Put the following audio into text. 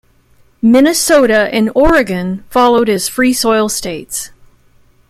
Minnesota, and Oregon followed as free soil states.